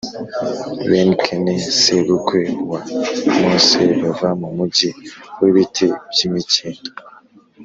bene keni,+ sebukwe wa mose,+ bava mu mugi w’ibiti by’imikindo+